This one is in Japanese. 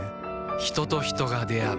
人と人が出会う